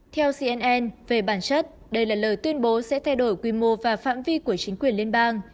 theo cnn về bản chất đây là lời tuyên bố sẽ thay đổi quy mô và phạm vi của chính quyền liên bang